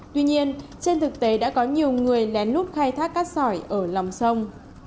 tuy nhiên trên thực tế đã có nhiều người lén lút khai thác cát sỏi ở lòng sông